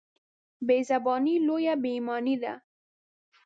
بېزباني لويه بېايماني ده.